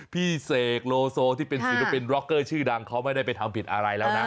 พี่เสกโลโซที่เป็นศิลปินร็อกเกอร์ชื่อดังเขาไม่ได้ไปทำผิดอะไรแล้วนะ